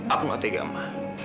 aku gak tega mama